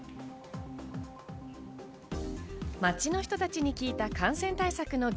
街の人たちに聞いた感染対策の肝。